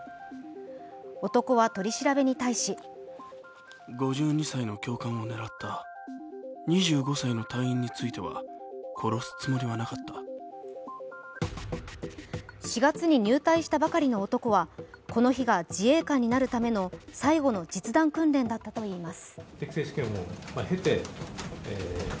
男は取り調べに対し４月に入隊したばかりの男はこの日が自衛官になるための最後の実弾訓練だったといいます。